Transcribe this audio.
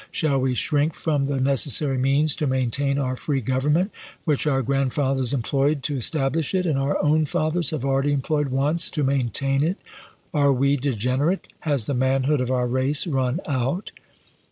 Shall we shrink from the neces sary means to maintain our free government, which our grandfathers employed to establish it and our own fathers have already employed once to main tain it? Are we degenerate? Has the manhood of our race run out